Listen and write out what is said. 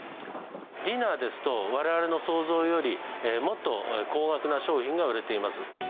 ディナーですと、われわれの想像より、もっと高額な商品が売れています。